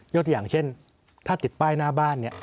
ตัวอย่างเช่นถ้าติดป้ายหน้าบ้านเนี่ย